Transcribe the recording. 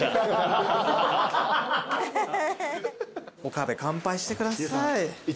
岡部乾杯してください。